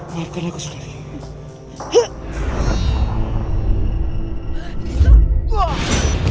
maafkan aku sudari